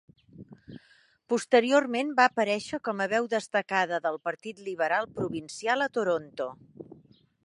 Posteriorment va aparèixer com a veu destacada del Partit Liberal provincial a Toronto.